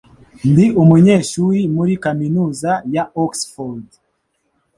Ndi umunyeshuri muri kaminuza ya Oxford.